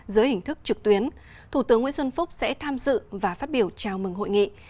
dưới hình thức trực tuyến thủ tướng nguyễn xuân phúc sẽ tham dự và phát biểu chào mừng hội nghị